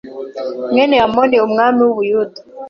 mwene Amoni umwami w’u Buyuda,